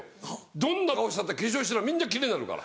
どんな顔してたって化粧したらみんな奇麗になるから。